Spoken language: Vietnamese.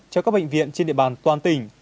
cho các bệnh viện trên địa bàn toàn tỉnh